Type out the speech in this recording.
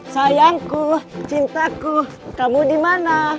sayangku cintaku kamu di mana